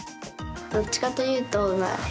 どっちかというとうまい。